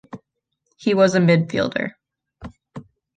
He was a midfielder.